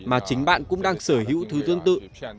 mà chính bạn cũng đang sở hữu thứ tương tự